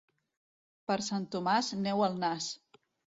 Per Sant Tomàs, neu al nas.